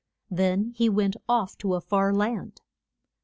Then he went off to a far land.